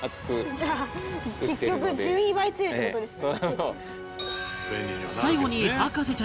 じゃあ結局１２倍強いって事ですね。